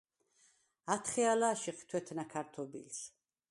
ათხე ალა̄̈შიხ თუ̂ეთნა ქართობილს.